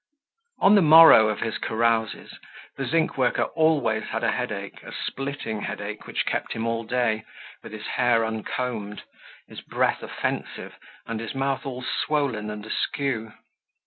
On the morrow of his carouses, the zinc worker always had a headache, a splitting headache which kept him all day with his hair uncombed, his breath offensive, and his mouth all swollen and askew.